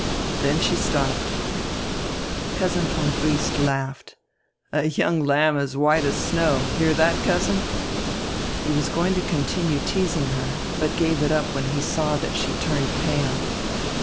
Then she stopped." Cousin von Briest laughed. '"A young lamb as white as snow.' Hear diat, cousin?" He was going to continue teasing her, but gave it up when he saw diat she turned pale.